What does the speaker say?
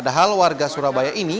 satellite surabaya ini